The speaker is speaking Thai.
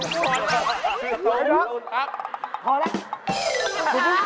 วะเอ็ดพรุ่งบีจังหวัดลีเมืองทองลำตางสปูนความฟูทุกคน